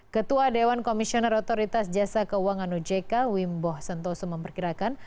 ketua dewan komisioner otoritas jasa keuangan ojk wimbo sentoso memperkirakan